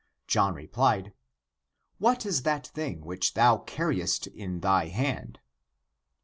John replied: "What is that thing which thou carriest in thy hand?"